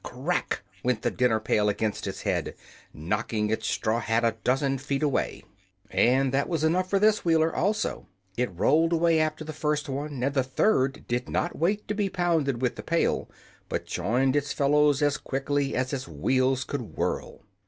Crack! went the dinner pail against its head, knocking its straw hat a dozen feet away; and that was enough for this Wheeler, also. It rolled away after the first one, and the third did not wait to be pounded with the pail, but joined its fellows as quickly as its wheels would whirl.